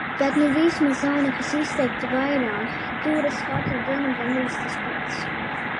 Bet nu vismaz nav nekas izteikti vairāk. Turas katru dienu gandrīz tas pats.